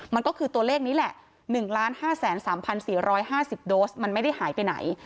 มันก็คือตัวเลขนี้แหละ๑๕๓๔๕๐โดสมันไม่ได้หายไปไหน